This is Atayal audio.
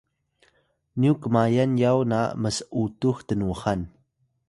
nyu kmayan yaw na ms’utux tnuxan